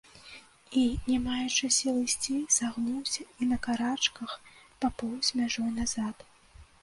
І, не маючы сіл ісці, сагнуўся і на карачках папоўз мяжой назад.